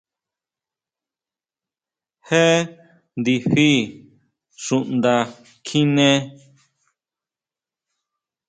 Jé ndifi xunda kjiné.